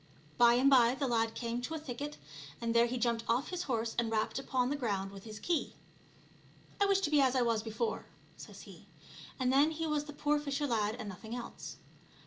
By and by the lad came to a thicket, and there he jumped off of his horse and rapped upon the ground with bis key. '' I wish to be as I was before/* says he, and then he was the poor fisher lad and nothing else.